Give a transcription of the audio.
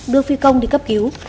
đưa phi công đi cấp cứu